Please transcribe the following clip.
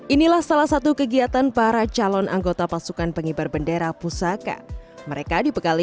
inilah salah satu kegiatan para calon anggota pasukan pengibar bendera pusaka mereka dibekali